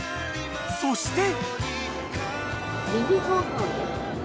［そして］